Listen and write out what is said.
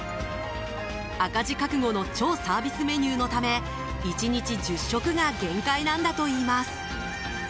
赤字覚悟の超サービスメニューのため１日１０食が限界なんだといいます。